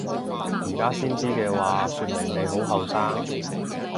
而家先知嘅話說明你好後生！